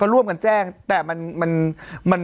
ร่วมกันแจ้งแต่มัน